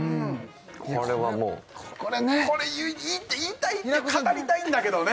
これはもうこれ言いたい語りたいんだけどね